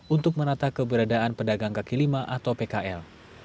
untuk menata keberadaan pedagang kaki lima atau pkl